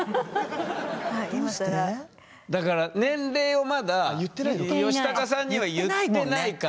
だから年齢をまだヨシタカさんには言ってないから。